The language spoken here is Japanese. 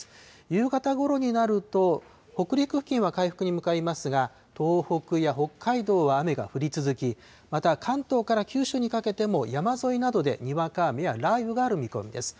夕方ごろになると、北陸付近は回復に向かいますが、東北や北海道は雨が降り続き、また関東から九州にかけても、山沿いなどでにわか雨や雷雨がある見込みです。